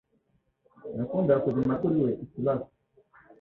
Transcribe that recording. Nakundaga kujya impaka kuri we ikibazo